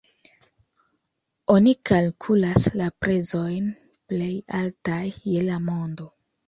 Oni kalkulas la prezojn plej altaj je la mondo.